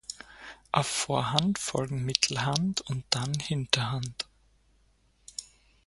Auf Vorhand folgen Mittelhand und dann Hinterhand.